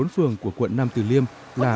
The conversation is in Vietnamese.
bốn phường của quận nam từ liêm là